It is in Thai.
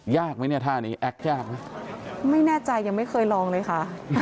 ยากไหมเนี่ยท่านี้แอคยากไหมไม่แน่ใจยังไม่เคยลองเลยค่ะ